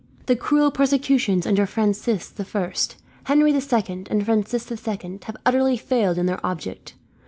The cruel persecutions under Francis the First, Henry the Second, and Francis the Second have utterly failed in their object.